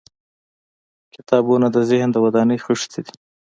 • کتابونه د ذهن د ودانۍ خښتې دي.